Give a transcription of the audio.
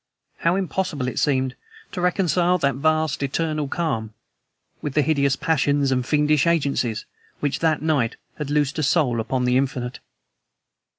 How impossible it seemed to reconcile that vast, eternal calm with the hideous passions and fiendish agencies which that night had loosed a soul upon the infinite.